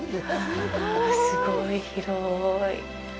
すごい広い。